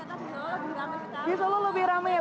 apalagi di sini wah ternyata solo lebih rame sekali